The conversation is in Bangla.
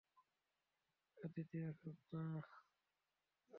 আদিতি, এখন না!